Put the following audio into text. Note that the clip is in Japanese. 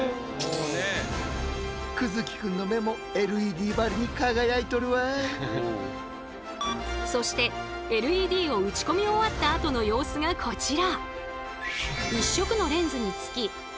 実際にみるみるそしてＬＥＤを打ちこみ終わったあとの様子がこちら。